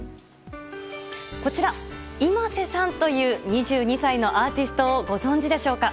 こちら、ｉｍａｓｅさんという２２歳のアーティストをご存じでしょうか？